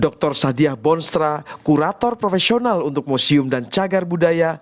dr sadiah bonstra kurator profesional untuk museum dan cagar budaya